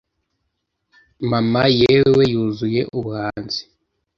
mama (yewe yuzuye ubuhanzi)